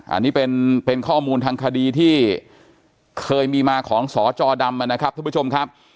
อันนี้เป็นข้อมูลทางคดีที่เคยมีมาของสจดำนะครับท่านผู้ชมครับ